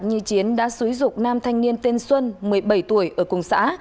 đặng như chiến đã xúi dục nam thanh niên tên xuân một mươi bảy tuổi ở cùng xã